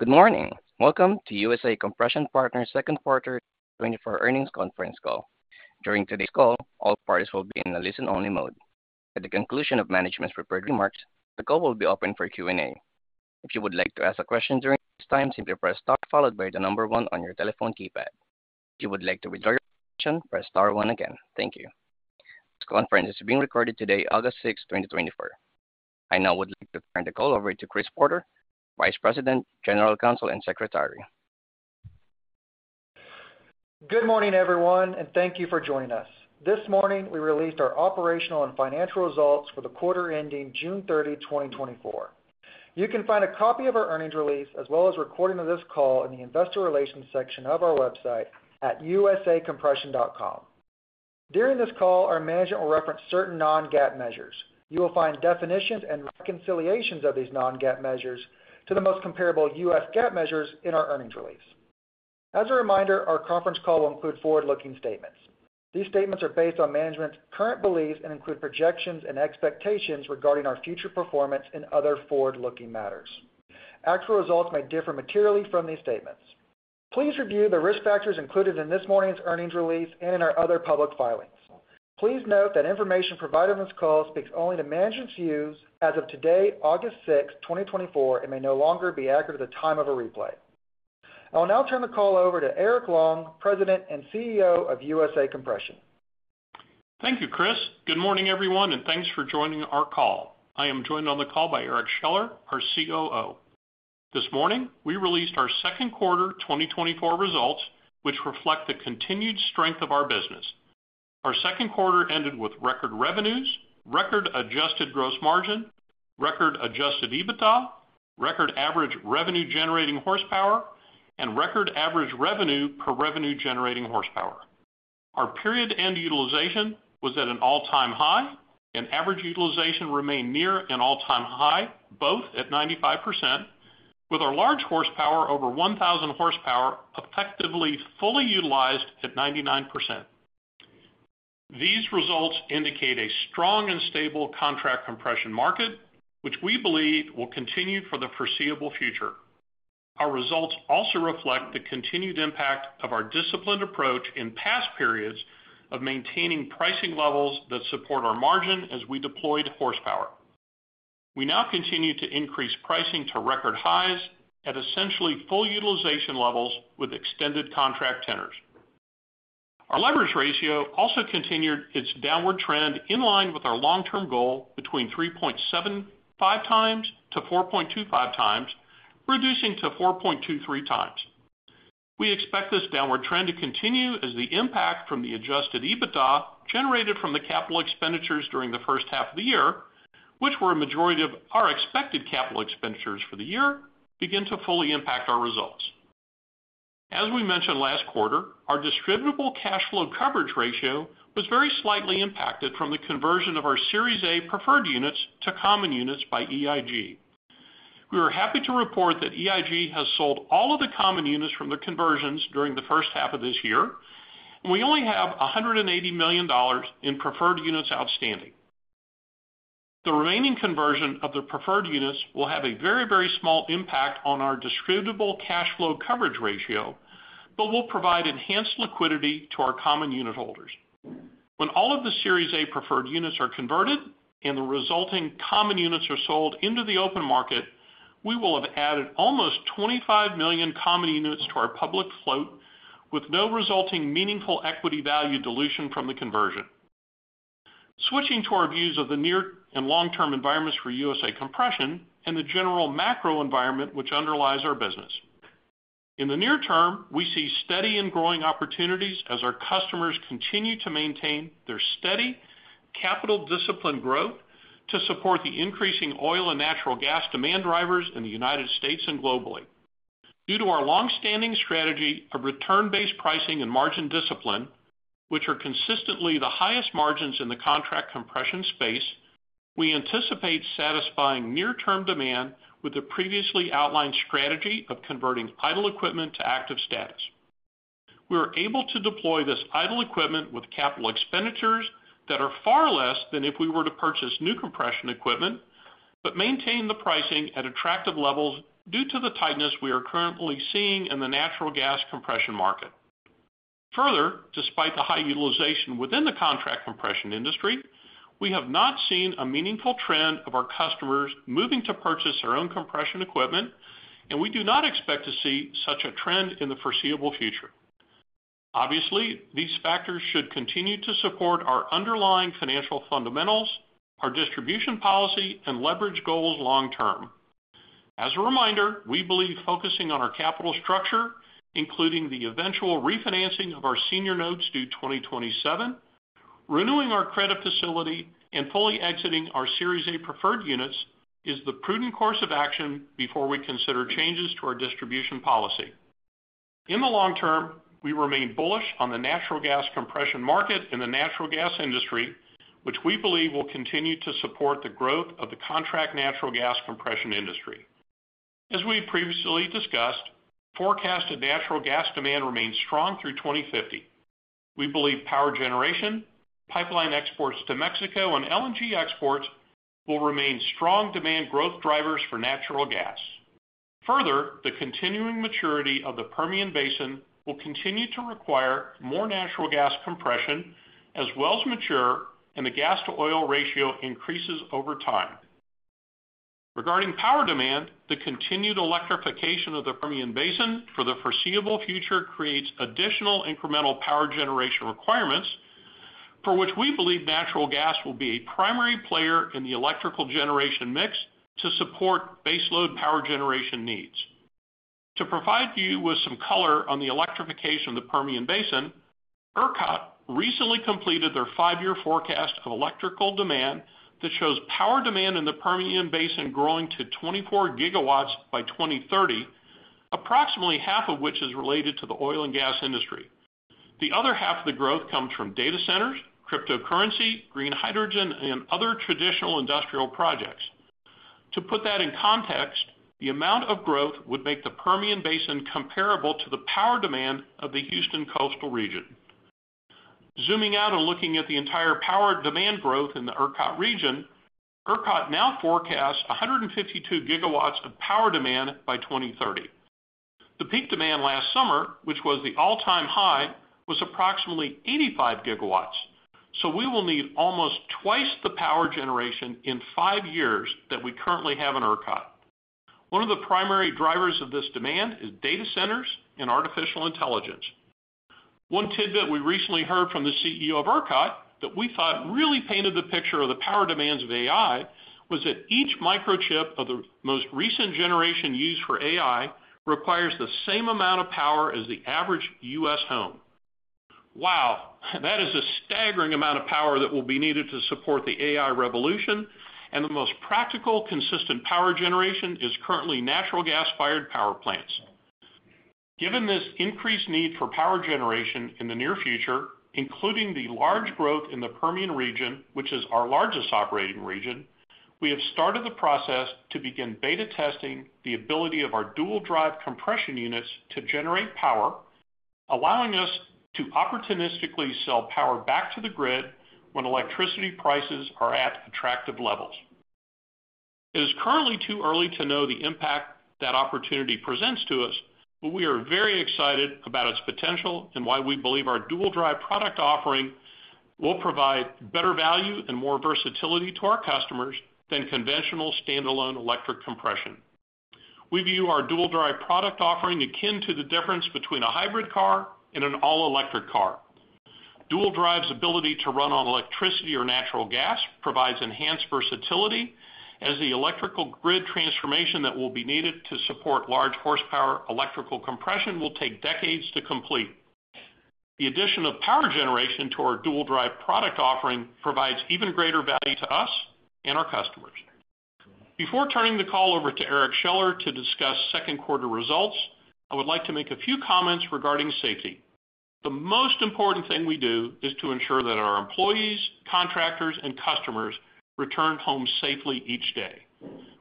Good morning. Welcome to USA Compression Partners' Second Quarter 2024 Earnings Conference Call. During today's call, all parties will be in a listen-only mode. At the conclusion of management's prepared remarks, the call will be open for Q&A. If you would like to ask a question during this time, simply press star, followed by the number one on your telephone keypad. If you would like to withdraw your question, press star one again. Thank you. This conference is being recorded today, August 6, 2024. I now would like to turn the call over to Chris Porter, Vice President, General Counsel, and Secretary. Good morning, everyone, and thank you for joining us. This morning, we released our operational and financial results for the quarter ending June 30, 2024. You can find a copy of our earnings release, as well as a recording of this call, in the investor relations section of our website at usacompression.com. During this call, our management will reference certain non-GAAP measures. You will find definitions and reconciliations of these non-GAAP measures to the most comparable U.S. GAAP measures in our earnings release. As a reminder, our conference call will include forward-looking statements. These statements are based on management's current beliefs and include projections and expectations regarding our future performance and other forward-looking matters. Actual results may differ materially from these statements. Please review the risk factors included in this morning's earnings release and in our other public filings. Please note that information provided on this call speaks only to management's views as of today, August 6, 2024, and may no longer be accurate at the time of a replay. I will now turn the call over to Eric Long, President and CEO of USA Compression. Thank you, Chris. Good morning, everyone, and thanks for joining our call. I am joined on the call by Eric Scheller, our COO. This morning, we released our second quarter 2024 results, which reflect the continued strength of our business. Our second quarter ended with record revenues, record adjusted gross margin, record adjusted EBITDA, record average revenue-generating horsepower, and record average revenue per revenue-generating horsepower. Our period end utilization was at an all-time high, and average utilization remained near an all-time high, both at 95%, with our large horsepower, over 1,000 horsepower, effectively fully utilized at 99%. These results indicate a strong and stable contract compression market, which we believe will continue for the foreseeable future. Our results also reflect the continued impact of our disciplined approach in past periods of maintaining pricing levels that support our margin as we deployed horsepower. We now continue to increase pricing to record highs at essentially full utilization levels with extended contract tenors. Our leverage ratio also continued its downward trend in line with our long-term goal, between 3.75x-4.25x, reducing to 4.23x. We expect this downward trend to continue as the impact from the Adjusted EBITDA, generated from the capital expenditures during the first half of the year, which were a majority of our expected capital expenditures for the year, begin to fully impact our results. As we mentioned last quarter, our Distributable Cash Flow coverage ratio was very slightly impacted from the conversion of our Series A Preferred Units to Common Units by EIG. We are happy to report that EIG has sold all of the Common Units from the conversions during the first half of this year, and we only have $180 million in Preferred Units outstanding. The remaining conversion of the Preferred Units will have a very, very small impact on our distributable cash flow coverage ratio, but will provide enhanced liquidity to our common unit holders. When all of the Series A Preferred Units are converted and the resulting Common Units are sold into the open market, we will have added almost 25 million Common Units to our public float, with no resulting meaningful equity value dilution from the conversion. Switching to our views of the near and long-term environments for USA Compression and the general macro environment which underlies our business. In the near term, we see steady and growing opportunities as our customers continue to maintain their steady capital discipline growth to support the increasing oil and natural gas demand drivers in the United States and globally. Due to our long-standing strategy of return-based pricing and margin discipline, which are consistently the highest margins in the contract compression space, we anticipate satisfying near-term demand with the previously outlined strategy of converting idle equipment to active status. We are able to deploy this idle equipment with capital expenditures that are far less than if we were to purchase new compression equipment, but maintain the pricing at attractive levels due to the tightness we are currently seeing in the natural gas compression market. Further, despite the high utilization within the contract compression industry, we have not seen a meaningful trend of our customers moving to purchase their own compression equipment, and we do not expect to see such a trend in the foreseeable future. Obviously, these factors should continue to support our underlying financial fundamentals, our distribution policy, and leverage goals long term. As a reminder, we believe focusing on our capital structure, including the eventual refinancing of our Senior Notes due 2027, renewing our credit facility, and fully exiting our Series A Preferred Units, is the prudent course of action before we consider changes to our distribution policy. In the long term, we remain bullish on the natural gas compression market and the natural gas industry, which we believe will continue to support the growth of the contract natural gas compression industry. As we previously discussed, forecasted natural gas demand remains strong through 2050. We believe power generation, pipeline exports to Mexico, and LNG exports will remain strong demand growth drivers for natural gas. Further, the continuing maturity of the Permian Basin will continue to require more natural gas compression as wells mature and the gas-to-oil ratio increases over time. Regarding power demand, the continued electrification of the Permian Basin for the foreseeable future creates additional incremental power generation requirements, for which we believe natural gas will be a primary player in the electrical generation mix to support baseload power generation needs. To provide you with some color on the electrification of the Permian Basin, ERCOT recently completed their five-year forecast of electrical demand that shows power demand in the Permian Basin growing to 24 gigawatts by 2030, approximately half of which is related to the oil and gas industry. The other half of the growth comes from data centers, cryptocurrency, green hydrogen, and other traditional industrial projects. To put that in context, the amount of growth would make the Permian Basin comparable to the power demand of the Houston coastal region. Zooming out and looking at the entire power demand growth in the ERCOT region, ERCOT now forecasts 152 GW of power demand by 2030. The peak demand last summer, which was the all-time high, was approximately 85 GW, so we will need almost twice the power generation in five years that we currently have in ERCOT. One of the primary drivers of this demand is data centers and artificial intelligence. One tidbit we recently heard from the CEO of ERCOT that we thought really painted the picture of the power demands of AI, was that each microchip of the most recent generation used for AI requires the same amount of power as the average U.S. home. Wow! That is a staggering amount of power that will be needed to support the AI revolution, and the most practical, consistent power generation is currently natural gas-fired power plants. Given this increased need for power generation in the near future, including the large growth in the Permian region, which is our largest operating region, we have started the process to begin beta testing the ability of our dual-drive compression units to generate power, allowing us to opportunistically sell power back to the grid when electricity prices are at attractive levels. It is currently too early to know the impact that opportunity presents to us, but we are very excited about its potential and why we believe our Dual Drive product offering will provide better value and more versatility to our customers than conventional standalone electric compression. We view our Dual Drive product offering akin to the difference between a hybrid car and an all-electric car. Dual Drive's ability to run on electricity or natural gas provides enhanced versatility, as the electrical grid transformation that will be needed to support large horsepower electrical compression will take decades to complete. The addition of power generation to our Dual Drive product offering provides even greater value to us and our customers. Before turning the call over to Eric Scheller to discuss second quarter results, I would like to make a few comments regarding safety. The most important thing we do is to ensure that our employees, contractors, and customers return home safely each day.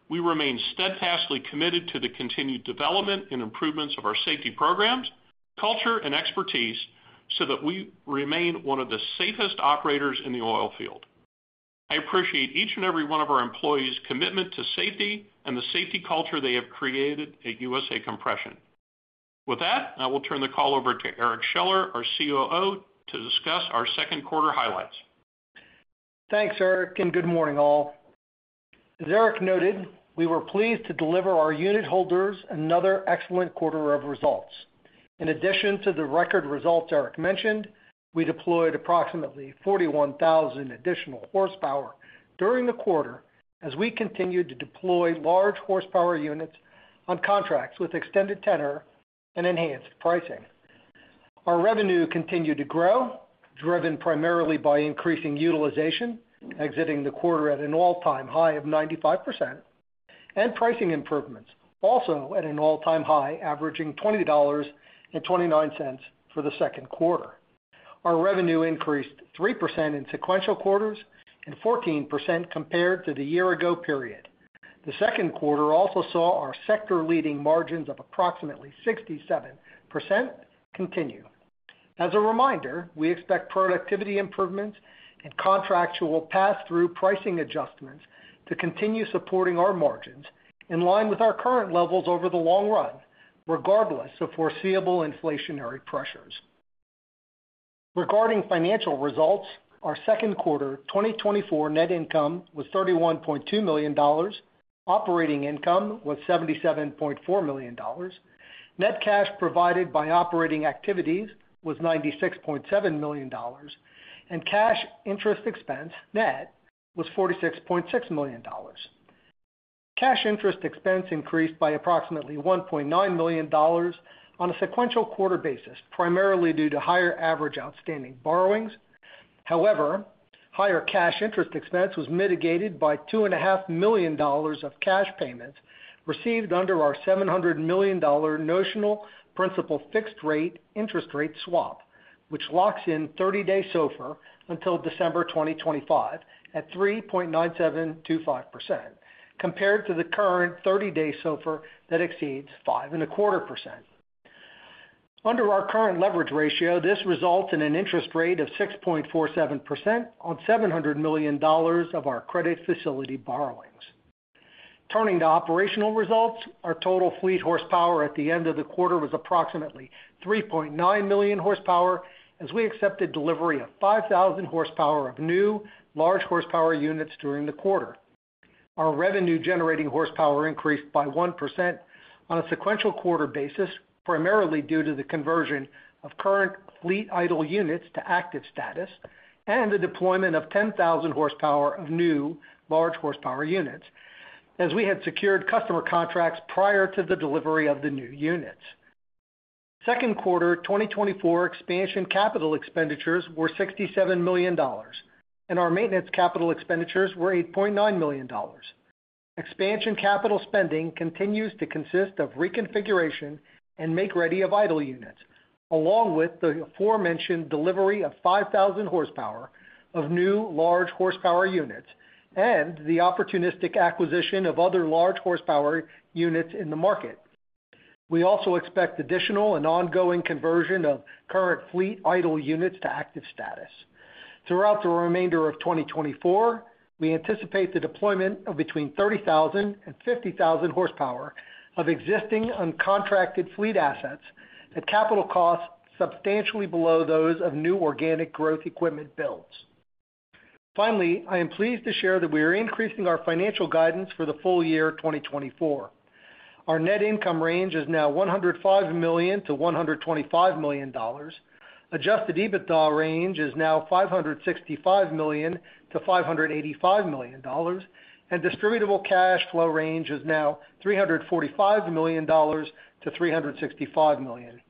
We remain steadfastly committed to the continued development and improvements of our safety programs, culture, and expertise, so that we remain one of the safest operators in the oil field. I appreciate each and every one of our employees' commitment to safety and the safety culture they have created at USA Compression. With that, I will turn the call over to Eric Scheller, our COO, to discuss our second quarter highlights. Thanks, Eric, and good morning, all. As Eric noted, we were pleased to deliver our unit holders another excellent quarter of results. In addition to the record results Eric mentioned, we deployed approximately 41,000 additional horsepower during the quarter as we continued to deploy large horsepower units on contracts with extended tenor and enhanced pricing. Our revenue continued to grow, driven primarily by increasing utilization, exiting the quarter at an all-time high of 95%, and pricing improvements, also at an all-time high, averaging $20.29 for the second quarter. Our revenue increased 3% in sequential quarters and 14% compared to the year-ago period. The second quarter also saw our sector-leading margins of approximately 67% continue. As a reminder, we expect productivity improvements and contractual pass-through pricing adjustments to continue supporting our margins in line with our current levels over the long run, regardless of foreseeable inflationary pressures. Regarding financial results, our second quarter 2024 net income was $31.2 million, operating income was $77.4 million, net cash provided by operating activities was $96.7 million, and cash interest expense net was $46.6 million. Cash interest expense increased by approximately $1.9 million on a sequential quarter basis, primarily due to higher average outstanding borrowings. However, higher cash interest expense was mitigated by $2.5 million of cash payments received under our $700 million notional principal fixed rate interest rate swap, which locks in thirty-day SOFR until December 2025 at 3.9725%, compared to the current thirty-day SOFR that exceeds 5.25%. Under our current leverage ratio, this results in an interest rate of 6.47% on $700 million of our credit facility borrowings. Turning to operational results, our total fleet horsepower at the end of the quarter was approximately 3.9 million horsepower, as we accepted delivery of 5,000 horsepower of new large horsepower units during the quarter. Our Revenue-Generating Horsepower increased by 1% on a sequential quarter basis, primarily due to the conversion of current fleet idle units to active status and the deployment of 10,000 horsepower of new large horsepower units, as we had secured customer contracts prior to the delivery of the new units. Second Quarter 2024 Expansion Capital Expenditures were $67 million, and our Maintenance Capital Expenditures were $8.9 million. Expansion Capital spending continues to consist of reconfiguration and make-ready of idle units, along with the aforementioned delivery of 5,000 horsepower of new large horsepower units and the opportunistic acquisition of other large horsepower units in the market. We also expect additional and ongoing conversion of current fleet idle units to active status. Throughout the remainder of 2024, we anticipate the deployment of between 30,000 and 50,000 horsepower of existing uncontracted fleet assets at capital costs substantially below those of new organic growth equipment builds. Finally, I am pleased to share that we are increasing our financial guidance for the full year 2024. Our net income range is now $105-$125 million. Adjusted EBITDA range is now $565-$585 million, and Distributable Cash Flow range is now $345-$365 million.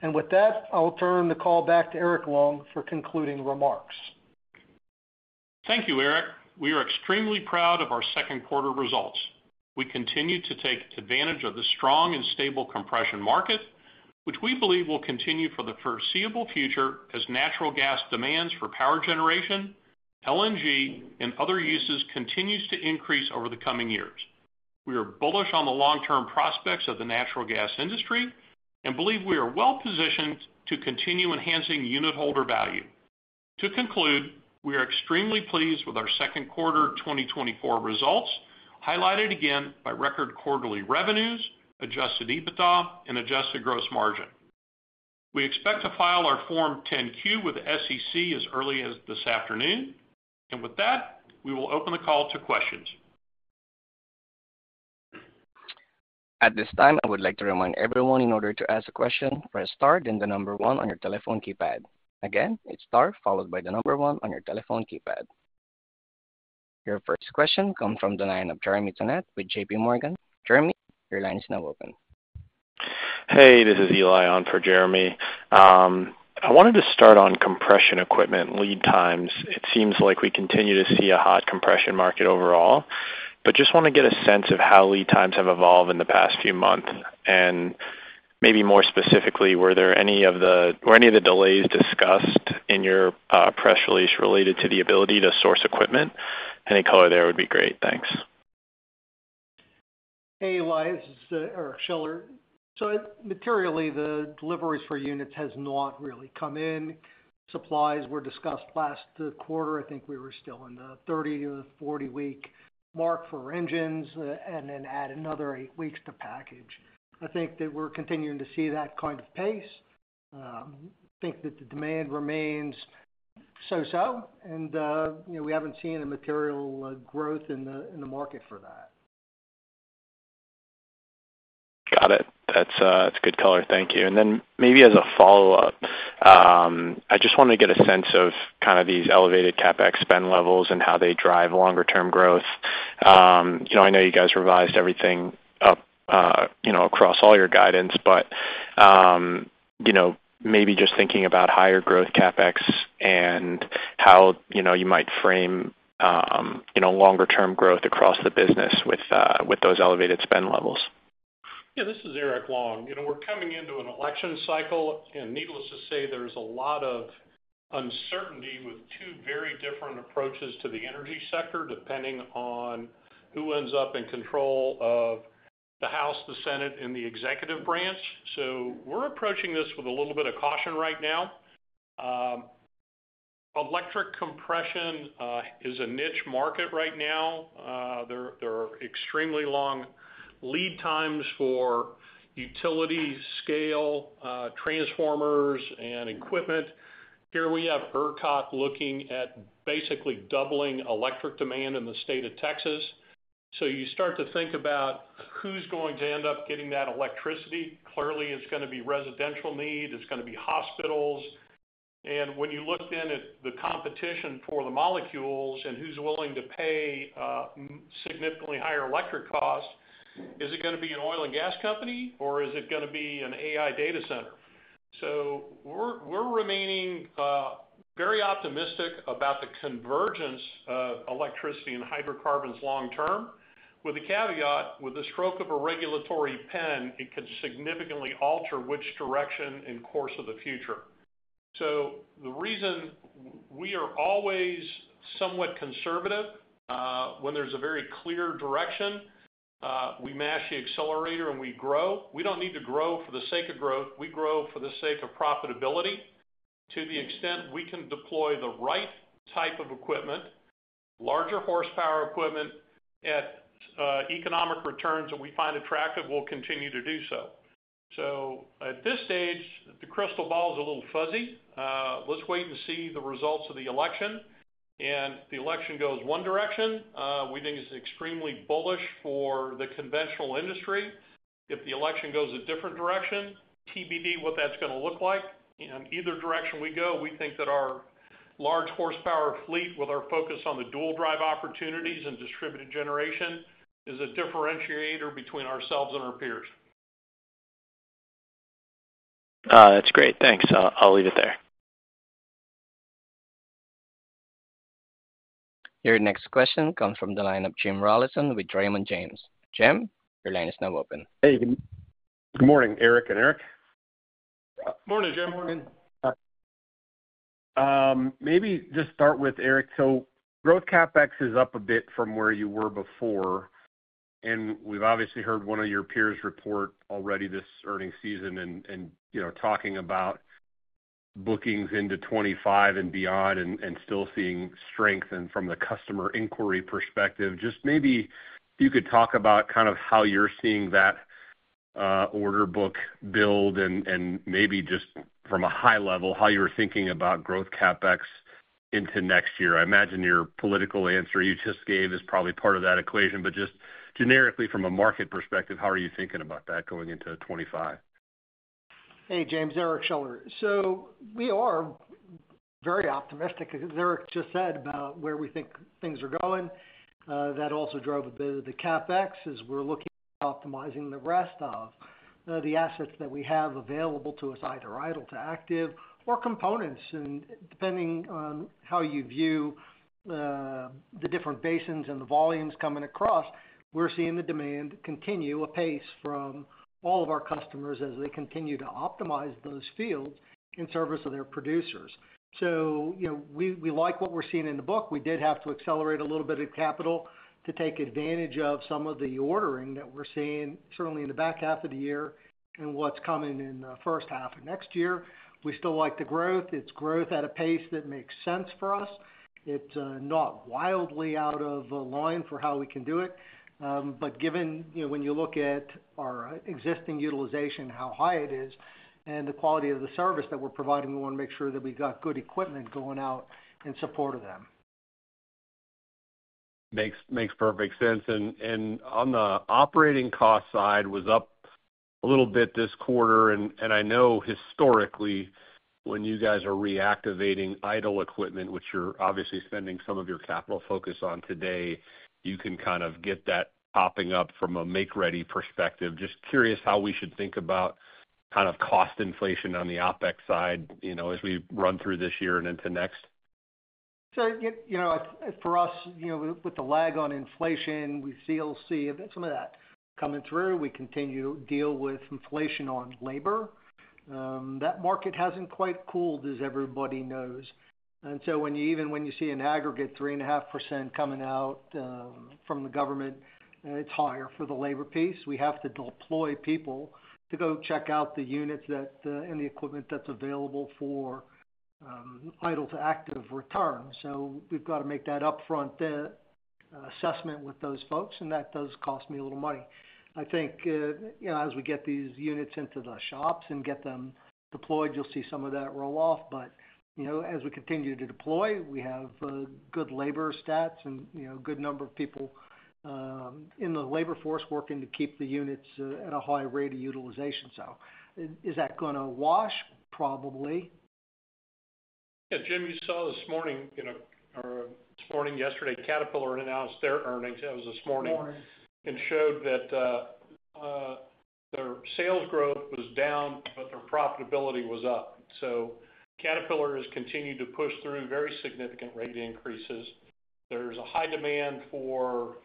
And with that, I'll turn the call back to Eric Long for concluding remarks. Thank you, Eric. We are extremely proud of our second quarter results. We continue to take advantage of the strong and stable compression market, which we believe will continue for the foreseeable future as natural gas demands for power generation, LNG and other uses continues to increase over the coming years. We are bullish on the long-term prospects of the natural gas industry and believe we are well positioned to continue enhancing unitholder value. To conclude, we are extremely pleased with our second quarter 2024 results, highlighted again by record quarterly revenues, Adjusted EBITDA, and Adjusted Gross Margin. We expect to file our Form 10-Q with the SEC as early as this afternoon. With that, we will open the call to questions. At this time, I would like to remind everyone, in order to ask a question, press star, then 1 on your telephone keypad. Again, it's star, followed by one on your telephone keypad. Your first question comes from the line of Jeremy Tonet with JPMorgan. Jeremy, your line is now open. Hey, this is Eli on for Jeremy. I wanted to start on compression equipment lead times. It seems like we continue to see a hot compression market overall, but just want to get a sense of how lead times have evolved in the past few months. Maybe more specifically, were any of the delays discussed in your press release related to the ability to source equipment? Any color there would be great. Thanks. Hey, Eli, this is Eric Scheller. So materially, the deliveries for units has not really come in. Supplies were discussed last quarter. I think we were still in the 30-40 week mark for engines, and then add another eight weeks to package. I think that we're continuing to see that kind of pace. I think that the demand remains so-so, and, you know, we haven't seen a material growth in the market for that. Got it. That's that's good color. Thank you. And then maybe as a follow-up, I just want to get a sense of kind of these elevated CapEx spend levels and how they drive longer-term growth. You know, I know you guys revised everything up, you know, across all your guidance, but, you know, maybe just thinking about higher growth CapEx and how, you know, you might frame, you know, longer-term growth across the business with, with those elevated spend levels. Yeah, this is Eric Long. You know, we're coming into an election cycle, and needless to say, there's a lot of uncertainty with two very different approaches to the energy sector, depending on who ends up in control of the House, the Senate, and the executive branch. So we're approaching this with a little bit of caution right now. Electric compression is a niche market right now. There are extremely long lead times for utility scale transformers and equipment. Here we have ERCOT looking at basically doubling electric demand in the state of Texas. So you start to think about who's going to end up getting that electricity. Clearly, it's going to be residential need, it's going to be hospitals. When you look then at the competition for the molecules and who's willing to pay significantly higher electric costs, is it going to be an oil and gas company, or is it going to be an AI data center? So we're remaining very optimistic about the convergence of electricity and hydrocarbons long term, with the caveat, with the stroke of a regulatory pen, it could significantly alter which direction and course of the future. So the reason we are always somewhat conservative when there's a very clear direction, we mash the accelerator and we grow. We don't need to grow for the sake of growth. We grow for the sake of profitability. To the extent we can deploy the right type of equipment, larger horsepower equipment at economic returns that we find attractive, we'll continue to do so. At this stage, the crystal ball is a little fuzzy. Let's wait and see the results of the election, and if the election goes one direction, we think it's extremely bullish for the conventional industry. If the election goes a different direction, TBD, what that's gonna look like, and either direction we go, we think that our large horsepower fleet, with our focus on the Dual Drive opportunities and distributed generation, is a differentiator between ourselves and our peers. That's great. Thanks. I'll leave it there. Your next question comes from the line of Jim Rollyson with Raymond James. Jim, your line is now open. Hey, good morning, Eric and Eric. Morning, Jim. Morning. Maybe just start with Eric. So growth CapEx is up a bit from where you were before, and we've obviously heard one of your peers report already this earnings season and, you know, talking about bookings into 25 and beyond and still seeing strength from the customer inquiry perspective. Just maybe if you could talk about kind of how you're seeing that, order book build and maybe just from a high level, how you were thinking about growth CapEx into next year. I imagine your political answer you just gave is probably part of that equation, but just generically, from a market perspective, how are you thinking about that going into 25? Hey, James, Eric Scheller. So we are very optimistic, as Eric just said, about where we think things are going. That also drove a bit of the CapEx as we're looking at optimizing the rest of the assets that we have available to us, either idle to active or components. And depending on how you view the different basins and the volumes coming across, we're seeing the demand continue apace from all of our customers as they continue to optimize those fields in service of their producers. So, you know, we, we like what we're seeing in the book. We did have to accelerate a little bit of capital to take advantage of some of the ordering that we're seeing, certainly in the back half of the year and what's coming in first half of next year. We still like the growth. It's growth at a pace that makes sense for us. It's not wildly out of the line for how we can do it, but given, you know, when you look at our existing utilization, how high it is and the quality of the service that we're providing, we wanna make sure that we've got good equipment going out in support of them. Makes perfect sense. And on the operating cost side, was up a little bit this quarter, and I know historically, when you guys are reactivating idle equipment, which you're obviously spending some of your capital focus on today, you can kind of get that popping up from a make-ready perspective. Just curious how we should think about kind of cost inflation on the OpEx side, you know, as we run through this year and into next. So, you know, for us, you know, with the lag on inflation, we still see some of that coming through. We continue to deal with inflation on labor. That market hasn't quite cooled, as everybody knows. And so even when you see an aggregate 3.5% coming out from the government, it's higher for the labor piece. We have to deploy people to go check out the units that and the equipment that's available for idle to active returns. So we've got to make that upfront assessment with those folks, and that does cost me a little money. I think, you know, as we get these units into the shops and get them deployed, you'll see some of that roll off. But, you know, as we continue to deploy, we have good labor stats and, you know, a good number of people in the labor force working to keep the units at a high rate of utilization. So is, is that gonna wash? Probably. Yeah, Jim, you saw this morning, you know, or this morning, yesterday, Caterpillar announced their earnings. That was this morning. Morning. showed that their sales growth was down, but their profitability was up. So Caterpillar has continued to push through very significant rate increases. There's a high demand for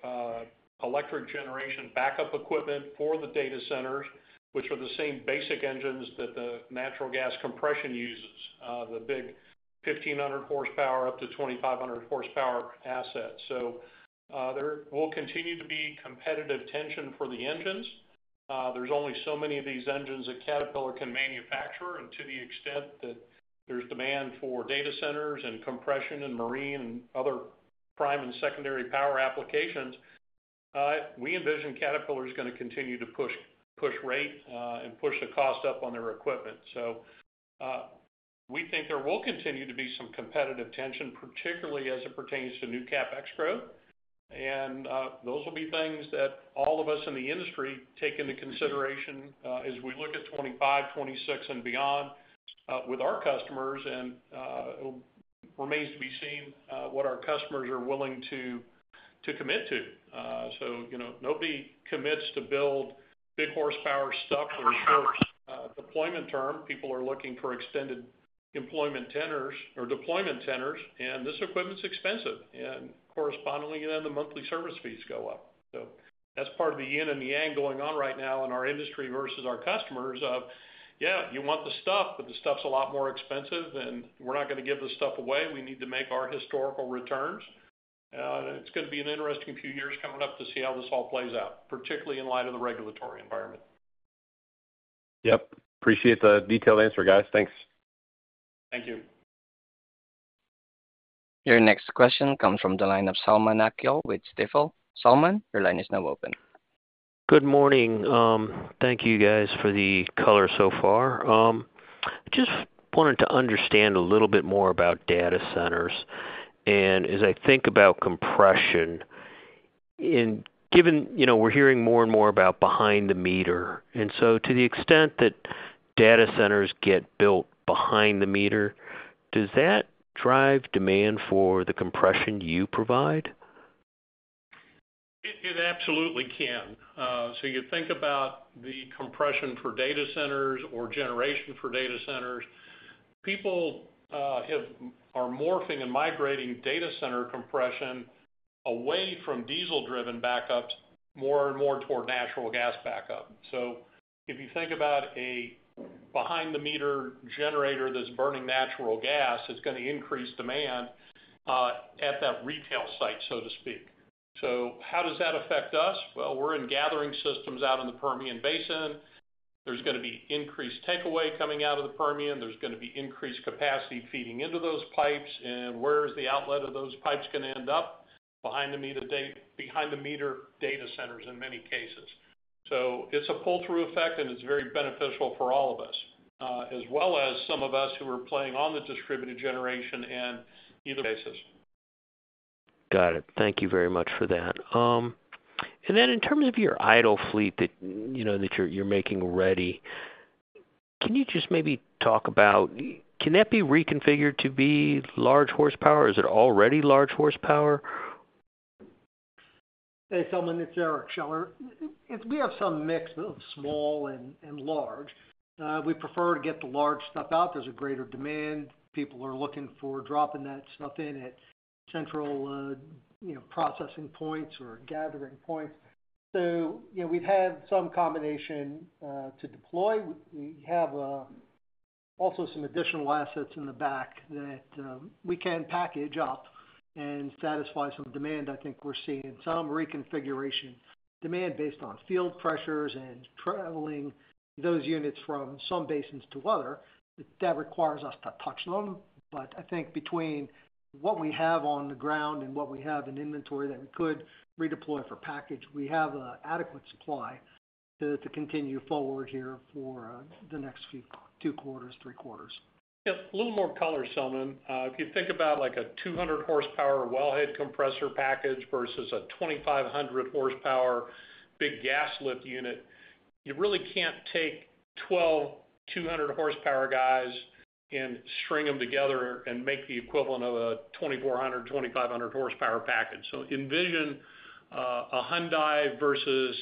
electric generation backup equipment for the data centers, which are the same basic engines that the natural gas compression uses, the big 1,500 horsepower, up to 2,500 horsepower assets. So there will continue to be competitive tension for the engines. There's only so many of these engines that Caterpillar can manufacture, and to the extent that there's demand for data centers and compression and marine and other prime and secondary power applications, we envision Caterpillar is gonna continue to push rate and push the cost up on their equipment. So we think there will continue to be some competitive tension, particularly as it pertains to new CapEx growth. Those will be things that all of us in the industry take into consideration, as we look at 25, 26 and beyond, with our customers, and it remains to be seen what our customers are willing to commit to. So, you know, nobody commits to build big horsepower stuff for a short deployment term. People are looking for extended employment tenors or deployment tenors, and this equipment's expensive, and correspondingly, then the monthly service fees go up. So that's part of the yin and the yang going on right now in our industry versus our customers of, yeah, you want the stuff, but the stuff's a lot more expensive, and we're not gonna give this stuff away. We need to make our historical returns. It's gonna be an interesting few years coming up to see how this all plays out, particularly in light of the regulatory environment. Yep, appreciate the detailed answer, guys. Thanks. Thank you. Your next question comes from the line of Selman Akyol with Stifel. Selman, your line is now open. Good morning. Thank you guys for the color so far. Just wanted to understand a little bit more about data centers. As I think about compression, given, you know, we're hearing more and more about behind the meter, and so to the extent that data centers get built behind the meter, does that drive demand for the compression you provide? It absolutely can. So you think about the compression for data centers or generation for data centers. People are morphing and migrating data center compression away from diesel-driven backups, more and more toward natural gas backup. So if you think about a behind the meter generator that's burning natural gas, it's gonna increase demand at that retail site, so to speak. So how does that affect us? Well, we're in gathering systems out in the Permian Basin. There's gonna be increased takeaway coming out of the Permian. There's gonna be increased capacity feeding into those pipes. And where is the outlet of those pipes gonna end up? Behind the meter data centers in many cases. So it's a pull-through effect, and it's very beneficial for all of us, as well as some of us who are playing on the distributed generation and either basis. Got it. Thank you very much for that. And then in terms of your idle fleet that, you know, that you're making ready, can you just maybe talk about, can that be reconfigured to be large horsepower? Is it already large horsepower? Hey, Selman, it's Eric Scheller. It, we have some mix of small and large. We prefer to get the large stuff out. There's a greater demand. People are looking for dropping that stuff in at central, you know, processing points or gathering points. So, you know, we've had some combination to deploy. We have also some additional assets in the back that we can package up and satisfy some demand I think we're seeing. Some reconfiguration demand based on field pressures and traveling those units from some basins to other, that requires us to touch them. But I think between what we have on the ground and what we have in inventory that we could redeploy for package, we have an adequate supply to continue forward here for the next few two quarters, three quarters. Yep. A little more color, Selman. If you think about like a 200 horsepower well head compressor package versus a 2,500 horsepower big gas lift unit, you really can't take twelve 200 horsepower guys and string them together and make the equivalent of a 2,400 2,500 horsepower package. So envision a Hyundai versus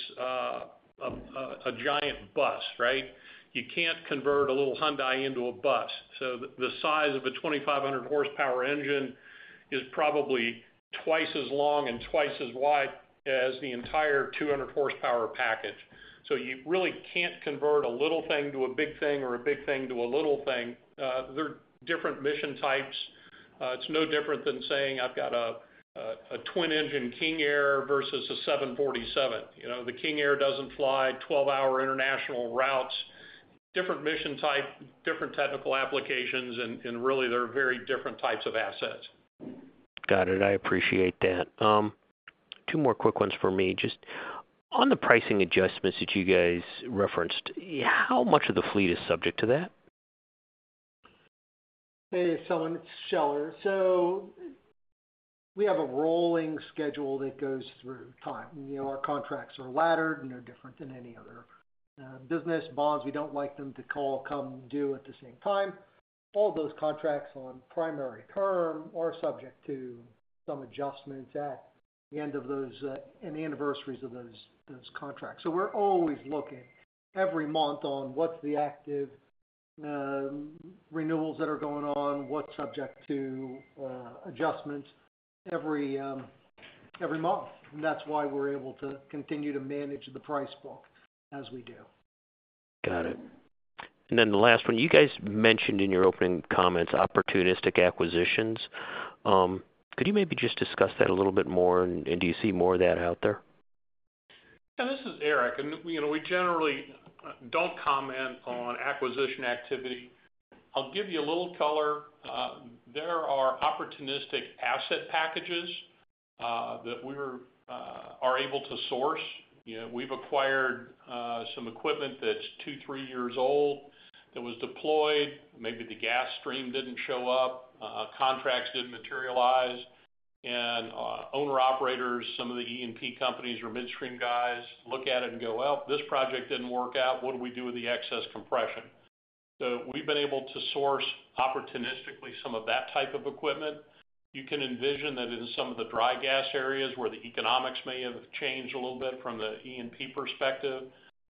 a giant bus, right? You can't convert a little Hyundai into a bus. So the size of a 2,500 horsepower engine is probably twice as long and twice as wide as the entire 200 horsepower package. So you really can't convert a little thing to a big thing or a big thing to a little thing. They're different mission types. It's no different than saying, "I've got a twin-engine King Air versus a 747." You know, the King Air doesn't fly 12-hour international routes, different mission type, different technical applications, and really, they're very different types of assets. Got it. I appreciate that. Two more quick ones for me. Just on the pricing adjustments that you guys referenced, how much of the fleet is subject to that? Hey, Selman, it's Scheller. So we have a rolling schedule that goes through time. You know, our contracts are laddered, no different than any other business. Bonds, we don't like them to call, come due at the same time. All those contracts on primary term are subject to some adjustments at the end of those, any anniversaries of those, those contracts. So we're always looking every month on what's the active, renewals that are going on, what's subject to, adjustment every, every month. And that's why we're able to continue to manage the price book as we do. Got it. And then the last one, you guys mentioned in your opening comments, opportunistic acquisitions. Could you maybe just discuss that a little bit more, and do you see more of that out there? Yeah, this is Eric, and, you know, we generally don't comment on acquisition activity. I'll give you a little color. There are opportunistic asset packages that we're are able to source. You know, we've acquired some equipment that's two, three years old, that was deployed. Maybe the gas stream didn't show up, contracts didn't materialize, and owner-operators, some of the E&P companies or midstream guys look at it and go, "Well, this project didn't work out. What do we do with the excess compression?" So we've been able to source opportunistically some of that type of equipment. You can envision that in some of the dry gas areas where the economics may have changed a little bit from the E&P perspective,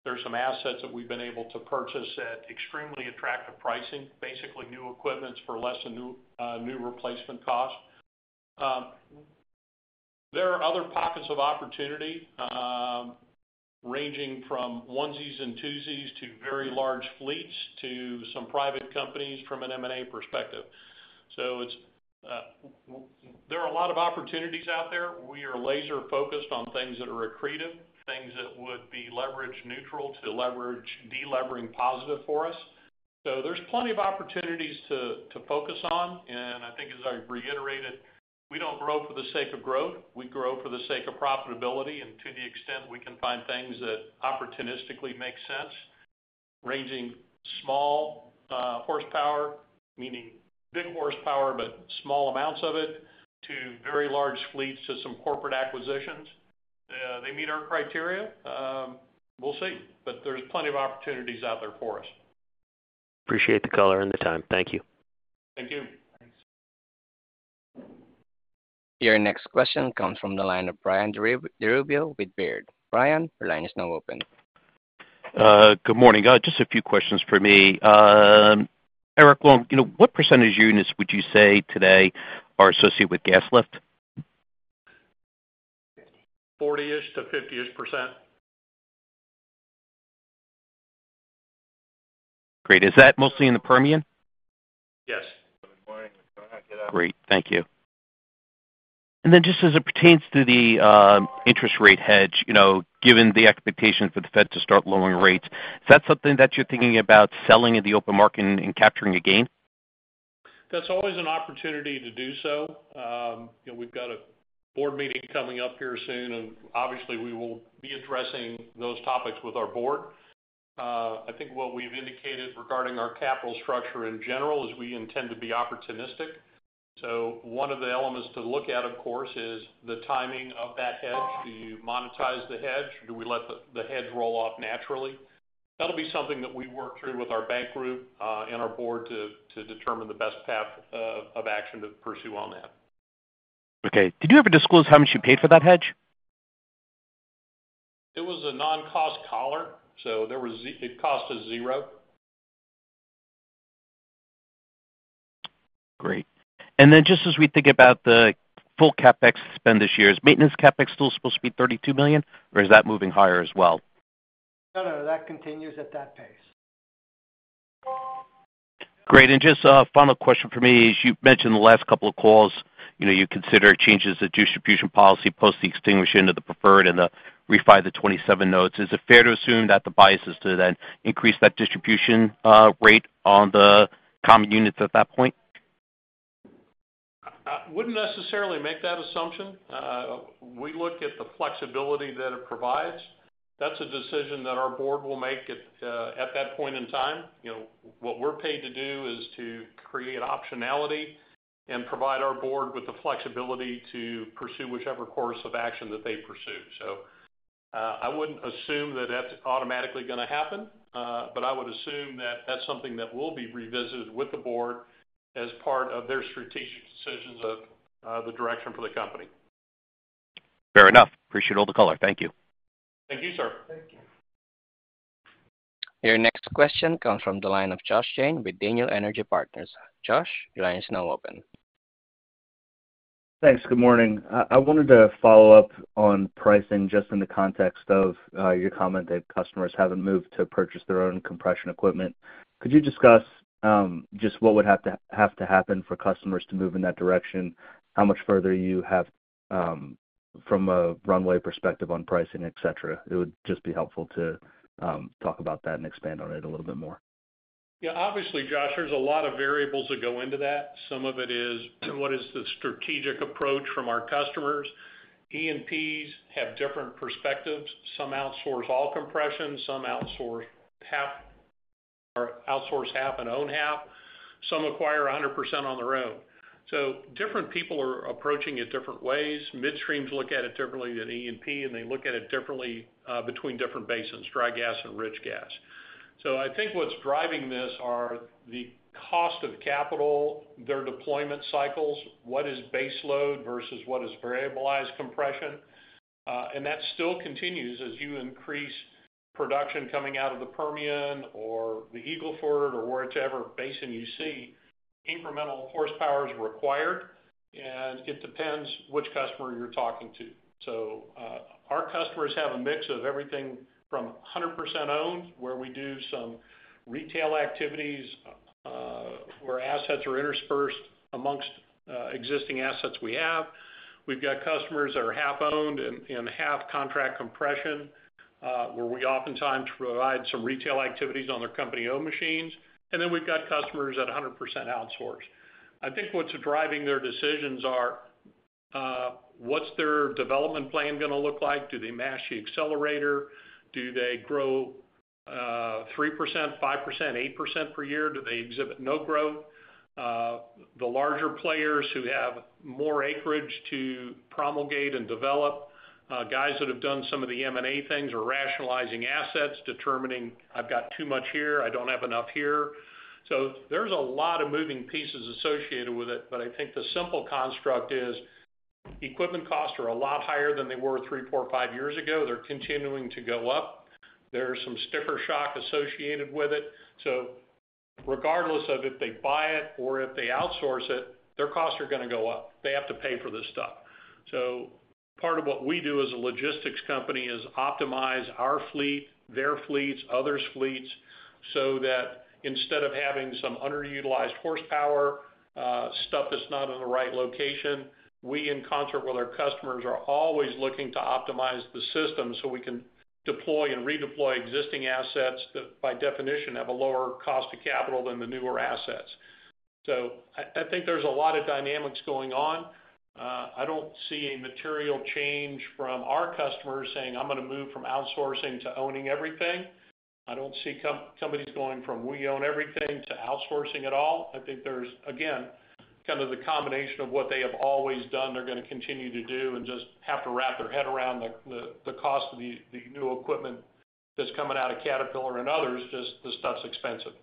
there's some assets that we've been able to purchase at extremely attractive pricing, basically, new equipments for less than new, new replacement cost. There are other pockets of opportunity, ranging from onesies and twosies to very large fleets, to some private companies from an M&A perspective. So it's, there are a lot of opportunities out there. We are laser focused on things that are accretive, things that would be leverage neutral to leverage, de-levering positive for us. So there's plenty of opportunities to, to focus on, and I think as I reiterated, we don't grow for the sake of growth. We grow for the sake of profitability and to the extent we can find things that opportunistically make sense, ranging small horsepower, meaning big horsepower, but small amounts of it, to very large fleets, to some corporate acquisitions. They meet our criteria. We'll see. But there's plenty of opportunities out there for us. Appreciate the color and the time. Thank you. Thank you. Your next question comes from the line of Brian DiRubbio with Baird. Brian, your line is now open. Good morning. Just a few questions for me. Eric Long, you know, what percentage of units would you say today are associated with gas lift? 40-ish%-50-ish%. Great. Is that mostly in the Permian? Yes. Great, thank you. And then just as it pertains to the interest rate hedge, you know, given the expectation for the Fed to start lowering rates, is that something that you're thinking about selling in the open market and capturing a gain? That's always an opportunity to do so. You know, we've got a board meeting coming up here soon, and obviously, we will be addressing those topics with our board. I think what we've indicated regarding our capital structure in general, is we intend to be opportunistic. So one of the elements to look at, of course, is the timing of that hedge. Do you monetize the hedge? Do we let the hedge roll off naturally? That'll be something that we work through with our bank group, and our board to determine the best path of action to pursue on that. Okay. Did you ever disclose how much you paid for that hedge? It was a non-cost collar, so it cost us zero. Great. And then just as we think about the full CapEx spend this year, is maintenance CapEx still supposed to be $32 million, or is that moving higher as well? No, no, that continues at that pace. Great. Just a final question for me. As you've mentioned in the last couple of calls, you know, you consider changes to distribution policy post the extinguishing of the preferred and the refi of the 27 notes. Is it fair to assume that the bias is to then increase that distribution rate on the common units at that point? I wouldn't necessarily make that assumption. We look at the flexibility that it provides. That's a decision that our board will make at that point in time. You know, what we're paid to do is to create optionality and provide our board with the flexibility to pursue whichever course of action that they pursue. So, I wouldn't assume that that's automatically gonna happen, but I would assume that that's something that will be revisited with the board as part of their strategic decisions of the direction for the company. Fair enough. Appreciate all the color. Thank you. Thank you, sir. Thank you. Your next question comes from the line of Josh Jayne with Daniel Energy Partners. Josh, your line is now open. Thanks. Good morning. I wanted to follow up on pricing, just in the context of your comment that customers haven't moved to purchase their own compression equipment. Could you discuss just what would have to happen for customers to move in that direction? How much further you have from a runway perspective on pricing, et cetera? It would just be helpful to talk about that and expand on it a little bit more. Yeah, obviously, Josh, there's a lot of variables that go into that. Some of it is, what is the strategic approach from our customers? E&Ps have different perspectives. Some outsource all compression, some outsource half or outsource half and own half. Some acquire 100% on their own. So different people are approaching it different ways. Midstreams look at it differently than E&P, and they look at it differently between different basins, dry gas and rich gas. So I think what's driving this are the cost of capital, their deployment cycles, what is base load versus what is variabilized compression? And that still continues as you increase production coming out of the Permian or the Eagle Ford or whichever basin you see. Incremental horsepower is required, and it depends which customer you're talking to. So, our customers have a mix of everything from 100% owned, where we do some retail activities, where assets are interspersed amongst existing assets we have. We've got customers that are half owned and half contract compression, where we oftentimes provide some retail activities on their company-owned machines. And then we've got customers that are 100% outsourced. I think what's driving their decisions are what's their development plan gonna look like? Do they mash the accelerator? Do they grow 3%, 5%, 8% per year? Do they exhibit no growth? The larger players who have more acreage to promulgate and develop, guys that have done some of the M&A things or rationalizing assets, determining I've got too much here, I don't have enough here. So there's a lot of moving pieces associated with it, but I think the simple construct is equipment costs are a lot higher than they were three, four, five years ago. They're continuing to go up. There's some stiffer shock associated with it. So regardless of if they buy it or if they outsource it, their costs are gonna go up. They have to pay for this stuff. So part of what we do as a logistics company is optimize our fleet, their fleets, others' fleets, so that instead of having some underutilized horsepower, stuff that's not in the right location, we, in concert with our customers, are always looking to optimize the system so we can deploy and redeploy existing assets that, by definition, have a lower cost of capital than the newer assets. So I, I think there's a lot of dynamics going on. I don't see a material change from our customers saying, "I'm gonna move from outsourcing to owning everything." I don't see companies going from we own everything to outsourcing at all. I think there's, again, kind of the combination of what they have always done, they're gonna continue to do and just have to wrap their head around the cost of the new equipment that's coming out of Caterpillar and others. Just the stuff's expensive.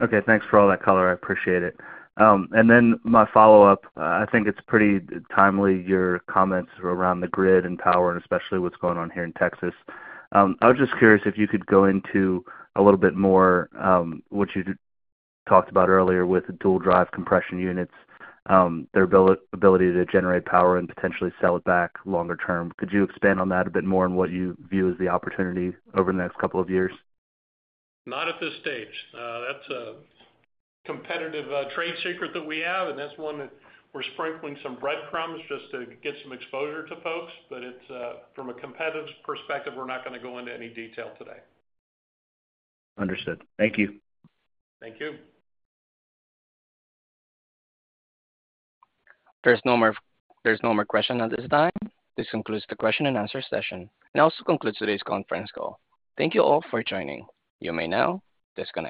Okay, thanks for all that color. I appreciate it. And then my follow-up, I think it's pretty timely, your comments around the grid and power, and especially what's going on here in Texas. I was just curious if you could go into a little bit more, what you talked about earlier with the Dual Drive compression units, their ability to generate power and potentially sell it back longer term. Could you expand on that a bit more and what you view as the opportunity over the next couple of years? Not at this stage. That's a competitive trade secret that we have, and that's one that we're sprinkling some breadcrumbs just to get some exposure to folks. But it's, from a competitive perspective, we're not gonna go into any detail today. Understood. Thank you. Thank you. There's no more question at this time. This concludes the question and answer session. It also concludes today's conference call. Thank you all for joining. You may now disconnect.